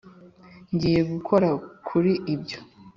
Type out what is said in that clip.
ngiye gukora kuri ibyo